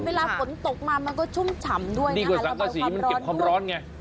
เวลาฝนตกมามันก็ชุ่มฉ่ำด้วยดีกว่าสังกษีมันเก็บความร้อนไง